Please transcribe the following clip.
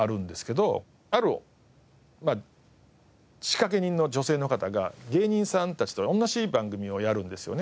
ある仕掛け人の女性の方が芸人さんたちと同じ番組をやるんですよね。